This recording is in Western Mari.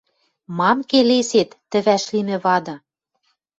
Мам келесет тӹ вӓшлимӹ вады?